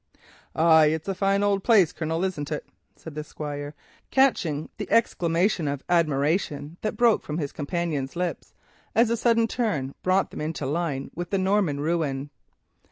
"Ay, it's a fine old place, Colonel, isn't it?" said the Squire, catching the exclamation of admiration that broke from his companion's lips, as a sudden turn brought them into line with the Norman ruin.